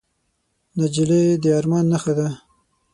نجلۍ د ارمان نښه ده.